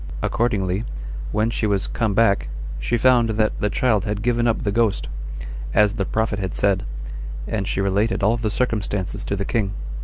Accordingly, when she was come back, she found that the child had given up the ghost, as the prophet had said; and she related all the circumstances to the king.